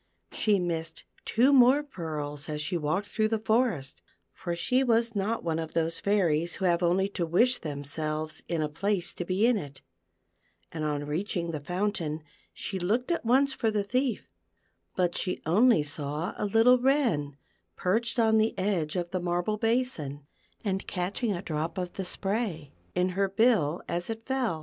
She missed two more pearls as she walked through the forest, for she was not one of those fairies who have only to wish themselves in a place to^e in it ; and on reaching the fountain, she looked at once for the thief; but she only saw a little wren, perched on the edge of the marble basin, and catching a drop of the spray in her bill as it fell.